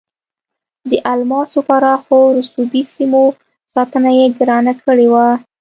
د الماسو پراخو رسوبي سیمو ساتنه یې ګرانه کړې وه.